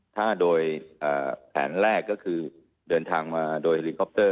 ถ้าโดยแผนแรกก็คือเดินทางมาโดยเฮลิคอปเตอร์